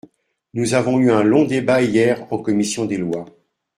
Nous avons eu un long débat hier en commission des lois.